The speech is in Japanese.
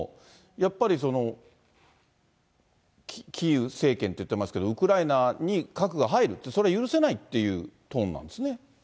やっぱり、そのキーウ政権と言っていますけれども、ウクライナに核が入る、それ許せないっていうトーンなんですね。